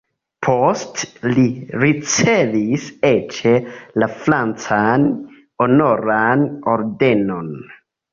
Poste li ricevis eĉ la francan Honoran Ordenon.